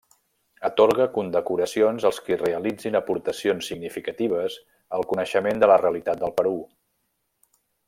Atorga condecoracions als qui realitzin aportacions significatives al coneixement de la realitat del Perú.